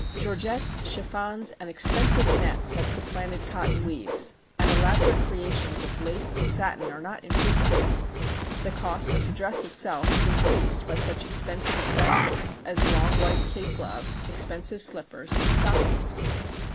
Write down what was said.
Georgettes, chiffons, and expensive nets have supplanted cotton weaves and elaborate creations of lace and satin are not infrequent. The cost of the dress itself is increased by such expensive accessories as long white kid gloves, expensive slippers and stockings.